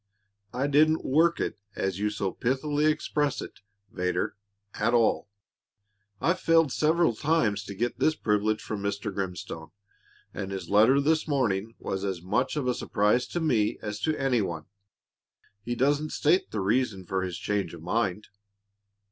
I didn't 'work it,' as you so pithily express it, Vedder, at all. I've failed several times to get this privilege from Mr. Grimstone, and his letter this morning was as much of a surprise to me as to any one. He doesn't state the reason for his change of mind."